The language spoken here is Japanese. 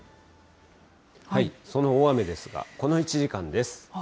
その大雨ですが、この１時間です。